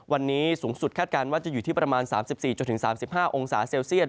วันนี้สูงสุดคาดการณ์ว่าจะอยู่ที่ประมาณ๓๔๓๕องศาเซลเซียต